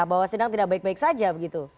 bahwa sedang tidak baik baik saja begitu